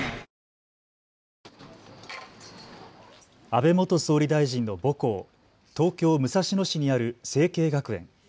安倍元総理大臣の母校、東京武蔵野市にある成蹊学園。